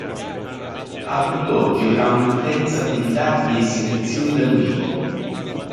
A tutt'oggi ha un'intensa attività di esibizioni dal vivo.